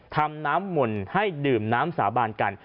ทำน้ำมนต์ให้ดื่มน้ำสาบานกัน